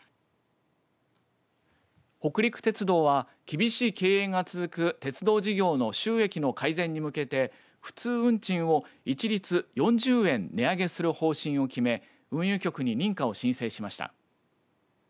北陸鉄道は厳しい経営が続く鉄道事業の収益の改善に向けて普通運賃を一律４０円値上げする方針を決め運輸局に認可を申請しました。